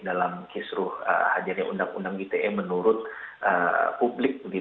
dalam kisruh hadirnya undang undang ite menurut publik